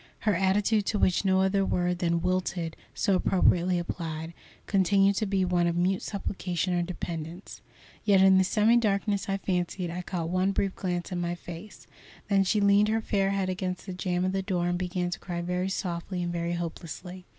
Her attitude, to which no other word than "wilted" so appropriately applied, continued to be one of mute supplication or dependence. Yet in the semi darkness I fancied I caught one brief glance at my face. Then she leaned her fair head against the jam of the door and began to cry very softly and very hopelessly.